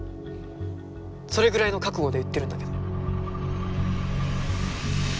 それぐらいの覚悟で言ってるんだけど。